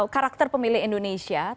karakter pemilih indonesia